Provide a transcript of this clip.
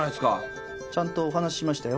ちゃんとお話しましたよ。